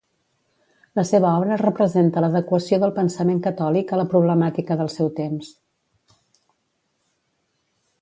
La seva obra representa l'adequació del pensament catòlic a la problemàtica del seu temps.